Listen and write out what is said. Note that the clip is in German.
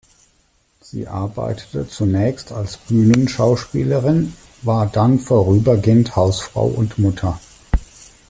Sie arbeitete zunächst als Bühnenschauspielerin, war dann vorübergehend Hausfrau und Mutter.